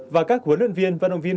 và các huấn luyện viên và vận động viên